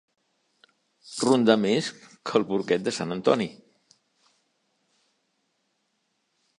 Rondar més que el porquet de Sant Antoni.